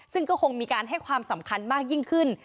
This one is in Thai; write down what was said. ซึ่งก็คงมีการให้ความสำคัญมากยิ่งขึ้น